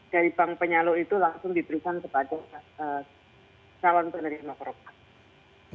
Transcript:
dari bank penyalur itu langsung diberikan kepada calon penerima program